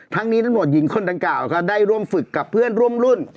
นี้ตำรวจหญิงคนดังกล่าวก็ได้ร่วมฝึกกับเพื่อนร่วมรุ่น